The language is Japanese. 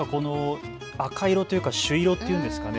赤色というか朱色っていうんですかね。